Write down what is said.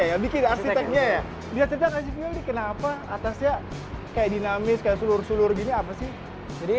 ya bikin aslinya ya dia terjadi kenapa atasnya kayak dinamis seluruh seluruh gini apa sih jadi